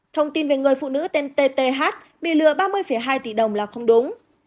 thông tin về người phụ nữ tên tth bị lừa ba mươi hai tỷ đồng là không đúng